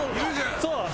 そう！